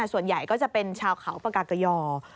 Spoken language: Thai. ส่วนใหญ่ก็จะเป็นชาวเขาปากากยอ